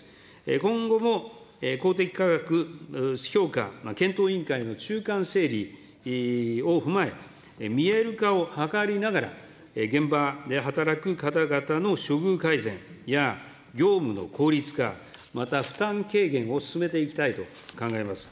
今後も公的価格評価検討委員会の中間整理を踏まえ、見える化を図りながら、現場で働く方々の処遇改善や、業務の効率化、また、負担軽減を進めていきたいと考えます。